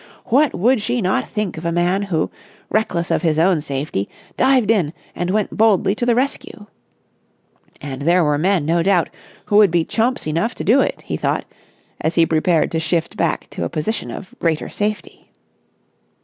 What would she not think of a man who, reckless of his own safety, dived in and went boldly to the rescue? And there were men, no doubt, who would be chumps enough to do it, he thought, as he prepared to shift back to a position of greater safety.